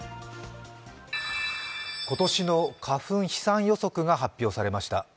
今年の花粉飛散予測が発表されました。